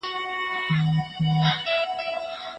په نولسمه پېړۍ کي نوي علوم پيدا سول.